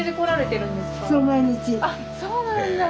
あっそうなんだ！